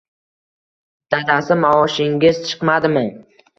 -Dadasi maoshingiz chiqmadimi